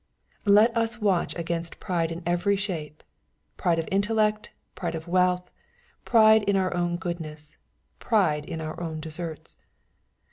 Let us watch against pride in every shape — pride of intellect, pride of wealth, pride in our own goodness, pride in our own deserts.